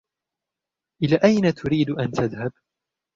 إلى أين تريد أن تذهب ؟